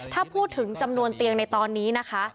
ถ้าพูดถึงจำนวนเตียงในตอนนี้นะคะ